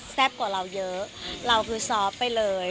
กว่าเราเยอะเราคือซอฟต์ไปเลย